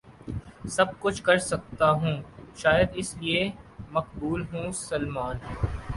سب کچھ کرسکتا ہوں شاید اس لیے مقبول ہوں سلمان